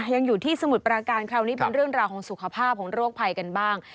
ยังอยู่ที่สมุทรปราการคราวนี้เป็นเรื่องราวของสุขภาพของโรคภัยกันบ้าง